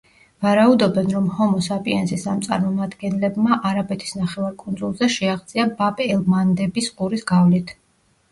ვარაუდობენ, რომ ჰომო საპიენსის ამ წარმომადგენლებმა არაბეთის ნახევარკუნძულზე შეაღწია ბაბ-ელ-მანდების ყურის გავლით.